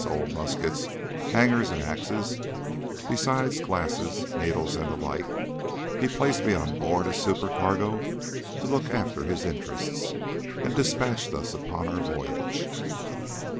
old muskets, hangers and axes, besides glasses, needles, and the like), he placed me on board as supercargo to look after his interests, and despatched us upon our voyage.